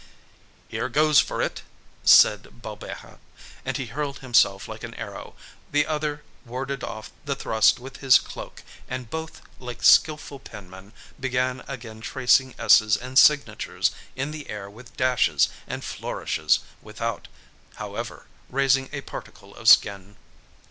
"Here goes for it," said Balbeja, and he hurled himself like an arrow; the other warded off the thrust with his cloak, and both, like skilful penmen, began again tracing S's and signatures in the air with dashes and flourishes without, however, raising a particle of skin.